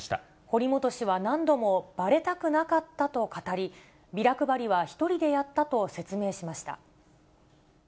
堀本氏は何度もばれたくなかったと語り、ビラ配りは１人でやったと説明しました。